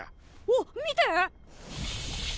おっ見て！